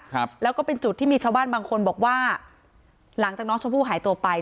ครับแล้วก็เป็นจุดที่มีชาวบ้านบางคนบอกว่าหลังจากน้องชมพู่หายตัวไป